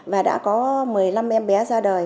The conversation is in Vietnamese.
và đã có một mươi năm em bé ra đời